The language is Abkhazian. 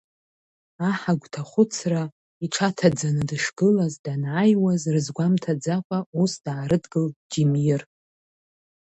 Аҳ агәҭахәыцра иҽаҭаӡаны дышгылаз, данааиуаз рызгәамҭаӡакәа, ус даарыдгылт Џьимир.